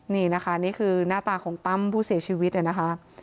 นี่นะคะนี่คือหน้าตาของตั้มผู้เสียชีวิตนะคะ